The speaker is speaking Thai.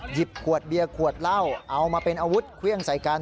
หยิบขวดเบียร์ขวดเหล้าเอามาเป็นอาวุธเครื่องใส่กัน